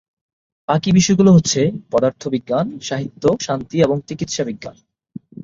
বাকি বিষয়গুলো হচ্ছে পদার্থবিজ্ঞান, সাহিত্য, শান্তি এবং চিকিৎসাবিজ্ঞান।